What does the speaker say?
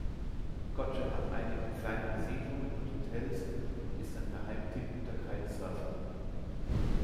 Coche hat einige kleinere Siedlungen und Hotels und ist ein Geheimtipp unter Kite-Surfern.